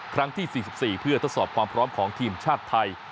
ครั้งที่๔๔เพื่อทดสอบความพร้อมของทีมชาติไทย